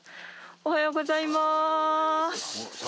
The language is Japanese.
おはようございます。